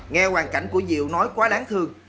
nghe hoàn cảnh của diệu nói quá đáng thương